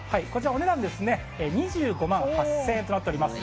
お値段は２５万８０００円となっております。